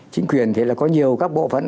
chính quyền thì là có nhiều các bộ phận